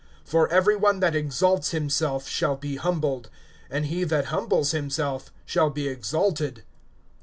For every one that exalts himself shall be humbled; and he that humbles himself shall be exalted.